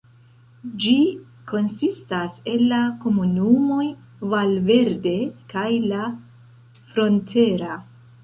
Ĝi konsistas el la komunumoj Valverde kaj "La Frontera".